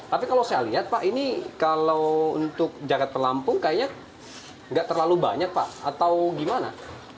tapi kalau saya lihat pak ini kalau untuk jaket pelampung kayaknya nggak terlalu banyak pak atau gimana